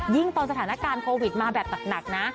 ตอนสถานการณ์โควิดมาแบบหนักนะ